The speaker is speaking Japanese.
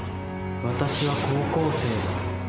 私は高校生だ。